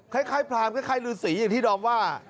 คล้ายพรามคล้ายฤษีอย่างที่ดอมว่า